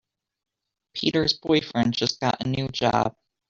Peter's boyfriend just got a new job.